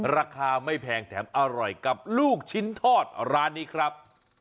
ราคาไม่แพงแถมอร่อยกับลูกชิ้นทอดร้านนี้ครับ